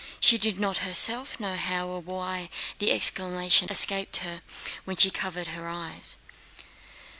She did not herself know how or why the exclamation escaped her when she covered her eyes.